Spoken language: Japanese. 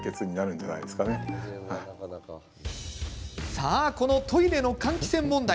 さあ、このトイレの換気扇問題。